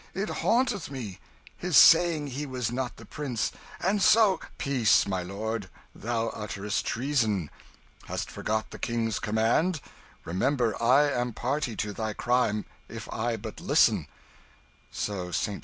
It haunteth me, his saying he was not the prince, and so " "Peace, my lord, thou utterest treason! Hast forgot the King's command? Remember I am party to thy crime if I but listen." St.